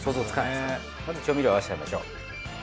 まず調味料合わせちゃいましょう。